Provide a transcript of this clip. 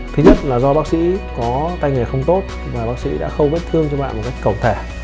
thứ nhất là do bác sĩ có tay nghề không tốt và bác sĩ đã khâu vết thương trên mạng một cách cầu thể